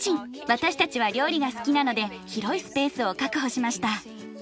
私たちは料理が好きなので広いスペースを確保しました。